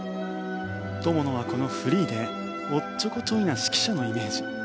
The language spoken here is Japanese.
友野はフリーでおっちょこちょいな指揮者のイメージ。